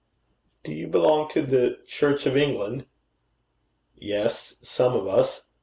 'Do you belong to the Church of England?' 'Yes, some of us.